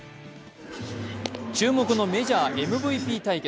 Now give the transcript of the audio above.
注目のメジャーＭＶＰ対決。